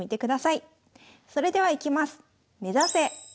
それではいきます。